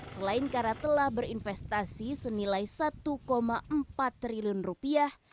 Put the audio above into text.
selain karena telah berinvestasi senilai satu empat triliun rupiah